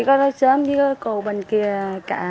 chỉ có sớm chỉ có cô bên kia